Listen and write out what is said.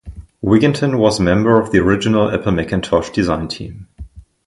Wigginton was a member of the original Apple Macintosh design team.